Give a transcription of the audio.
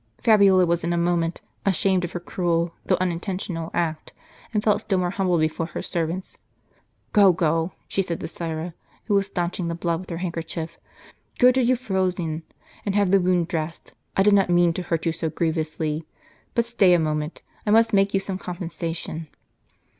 Fabiola was in a mo ment ashamed of her cruel, though unintentional, act, and felt still more humbled before her servants. " Go, go," she said to Syra, who was stanching the blood with her handkerchief, "go to Euphrosyne, and have the wound dressed. I did not mean to hurt you so grievously. But stay a moment, I must make you some compensation."